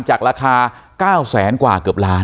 จากราคา๙แสนกว่าเกือบล้าน